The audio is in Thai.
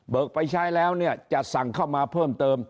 เบิกไปใช้แล้วจะสั่งเข้ามาเพิ่มเติม